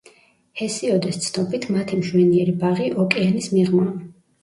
ჰესიოდეს ცნობით მათი მშვენიერი ბაღი ოკეანის მიღმაა.